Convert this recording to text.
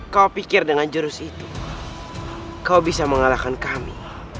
kau pikir dengan jurus itu kau bisa mengalahkan kami